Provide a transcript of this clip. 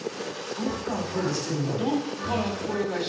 ・どっからこえがしているんだろう？